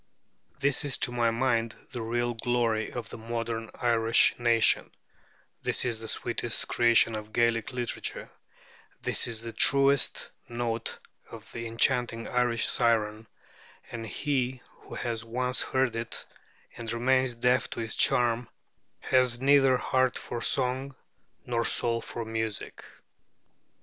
This is to my mind the real glory of the modern Irish nation; this is the sweetest creation of Gaelic literature; this is the truest note of the enchanting Irish siren, and he who has once heard it and remains deaf to its charm has neither heart for song nor soul for music.